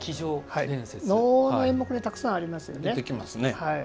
能の演目にたくさんありますよね。